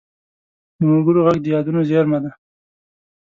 د ملګرو غږ د یادونو زېرمه ده